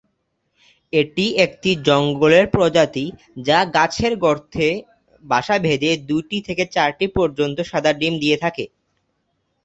এটি একটি জঙ্গলের প্রজাতি, যা গাছের গর্তে বাসা বেঁধে দু'টি থেকে চারটি পর্যন্ত সাদা ডিম দিয়ে থাকে।